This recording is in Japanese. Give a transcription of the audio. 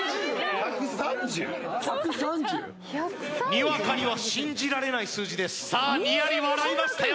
にわかには信じられない数字ですさあ